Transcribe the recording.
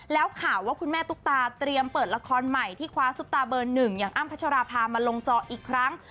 แล้วข่าวว่าคุณแม่ตุ๊กตาเตรียมเปิดละครใหม่ที่คว้าซุปตาเบอร์หนึ่งอย่างอ้ำพัชราภามาลงจออีกครั้ง